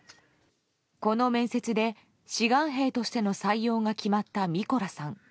この面接で、志願兵としての採用が決まったミコラさん。